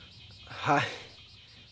はい。